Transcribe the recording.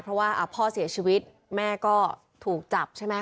เพราะว่าพ่อเสียชีวิตแม่ก็ถูกจับใช่ไหมค